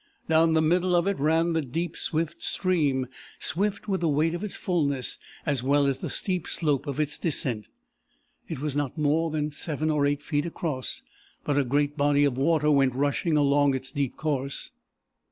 Down the middle of it ran the deep swift stream, swift with the weight of its fullness, as well as the steep slope of its descent. It was not more than seven or eight feet across, but a great body of water went rushing along its deep course.